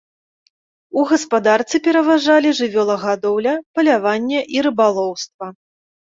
У гаспадарцы пераважалі жывёлагадоўля, паляванне і рыбалоўства.